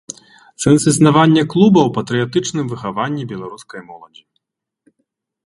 Сэнс існавання клуба ў патрыятычным выхаванні беларускай моладзі.